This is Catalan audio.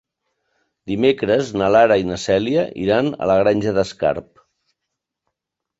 Dimecres na Lara i na Cèlia iran a la Granja d'Escarp.